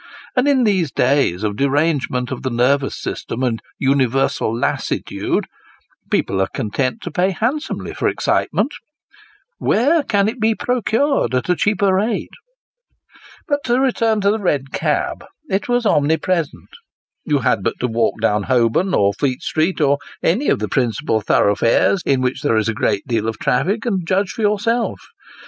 And in these days of derange ment of the nervous system and universal lassitude, people are content io6 Sketches by Bos. to pay handsomely for excitement; where can it be procured at a cheaper rate ? But to return to the red cab ; it was omnipresent. You had but to walk down Holborn, or Fleet Street, or any of the principal thorough fares in which there is a great deal of traffic, and judge for yourself.